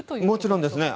もちろんですね。